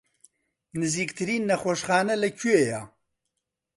نزیکترین نەخۆشخانە لەکوێیە؟